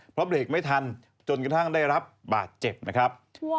เพราะเบรกไม่ทันจนกระทั่งได้รับบาดเจ็บนะครับ